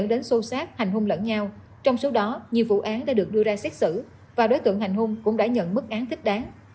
đây thật sự là một vụ đối tượng đối tượng